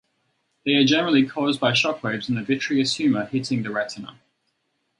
They are generally caused by shock waves in the vitreous humor hitting the retina.